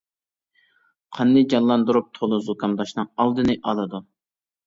قاننى جانلاندۇرۇپ تولا زۇكامداشنىڭ ئالدىنى ئالىدۇ.